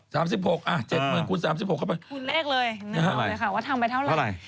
สำหรับว่าทำไปเท่าไร